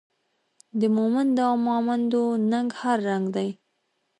د مومندو او ماموندو ننګ هر رنګ دی